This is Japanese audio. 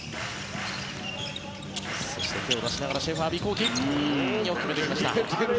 そして、手を出しながらシェーファーアヴィ幸樹よく見ていました。